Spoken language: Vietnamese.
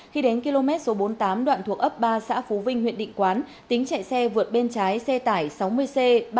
khi đến km số bốn mươi tám đoạn thuộc ấp ba xã phú vinh huyện định quán tính chạy xe vượt bên trái xe tải sáu mươi c ba mươi bốn nghìn năm trăm một mươi ba